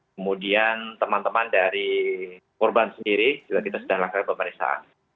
kemudian teman teman dari korban sendiri juga kita sedang lakukan pemeriksaan